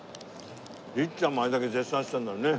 律ちゃんもあれだけ絶賛してるんだね。